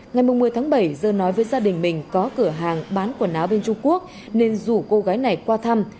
ngày một mươi tháng bảy dơ nói với gia đình mình có cửa hàng bán quần áo bên trung quốc nên rủ cô gái này qua thăm